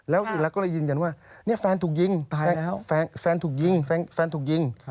แล้วพอยืนยันว่าเสฟแฟนถูกยิงแฟนถูกยิง